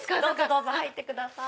どうぞ入ってください。